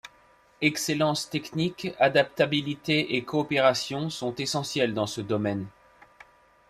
Excellence technique, adaptabilité et coopération sont essentielles dans ce domaine.